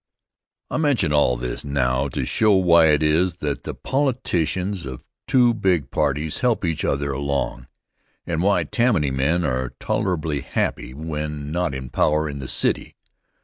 I mention all this now to show why it is that the politicians of two big parties help each other along, and why Tammany men are tolerably happy when not in power in the city.